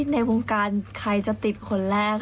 ในวงการใครจะติดคนแรก